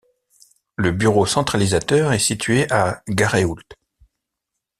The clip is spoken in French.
Le bureau centralisateur est situé à Garéoult.